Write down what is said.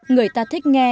người ta thích nghe